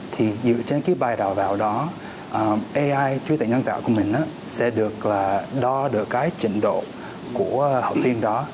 thì dựa trên cái bài đào vào đó ai truy tịch nhân tạo của mình sẽ được là đo được cái trình độ của học viên đó